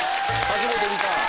初めて見た。